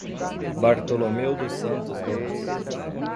Bartolomeu dos Santos Gomes